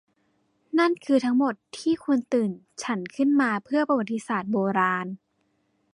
นั่นคือทั้งหมดที่คุณตื่นฉันขึ้นมาเพื่อประวัติศาสตร์โบราณ ?